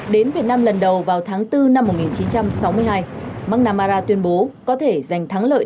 đến việt nam lần đầu vào tháng bốn năm một nghìn chín trăm sáu mươi hai mgnamara tuyên bố có thể giành thắng lợi